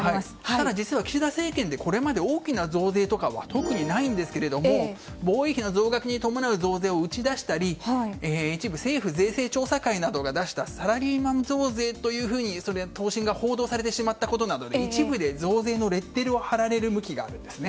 ただ、岸田政権でこれまで大きな増税は特にないんですが防衛費の増額に伴う増税を打ち出したり一部政府税制調査会などが出したサラリーマン増税などが報道されてしまったことによって一部で増税のレッテルを貼られる向きがあるんです。